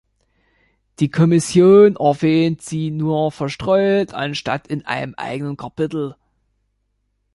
Die Kommission erwähnt sie nur verstreut, anstatt in einem eigenen Kapitel.